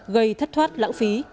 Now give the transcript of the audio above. gây thất thoát lãng phí